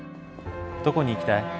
どこに行きたい？